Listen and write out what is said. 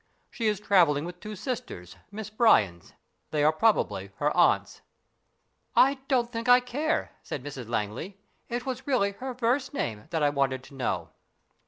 She is travelling with two sisters Miss Brya'ns. They are probably her aunts." " I don't think I care," said Mrs Langley. " It was really her first name that I wanted to know."